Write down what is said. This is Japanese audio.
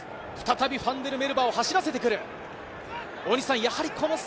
再びファンデルメルヴァを走らせてくる。